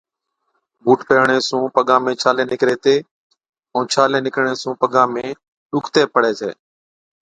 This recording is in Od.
بُوٽ پيهرڻي سُون پگان ۾ ڇالي نِڪري هِتي، ائُون ڇالي نِڪرڻي سُون پگان ۾ ڏُکتَي پڙَي ڇَي۔